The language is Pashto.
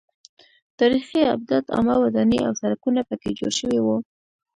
تاریخي ابدات عامه ودانۍ او سړکونه پکې جوړ شوي وو.